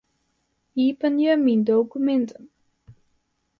Iepenje Myn dokuminten.